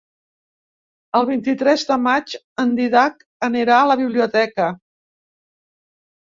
El vint-i-tres de maig en Dídac anirà a la biblioteca.